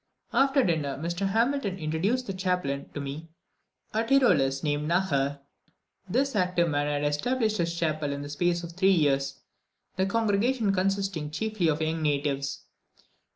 After dinner Mr. Hamilton introduced the chaplain to me, a Tyrolese, named Naher. This active man had established his chapel in the space of three years, the congregation consisting chiefly of young natives.